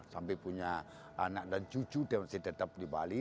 sampai punya anak dan cucu dia masih tetap di bali